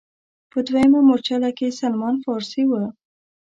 په دویمه مورچله کې سلمان فارسي و.